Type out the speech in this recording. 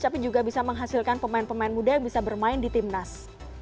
tapi juga bisa menghasilkan pemain pemain muda yang bisa bermain di timnas